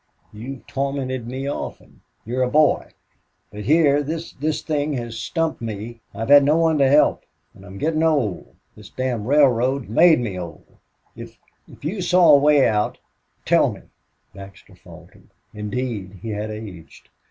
You've tormented me often. You're a boy... But here this this thing has stumped me. I've had no one to help... and I'm getting old this damned railroad has made me old. If if you saw a way out tell me " Baxter faltered. Indeed he had aged.